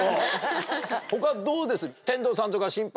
他どうです？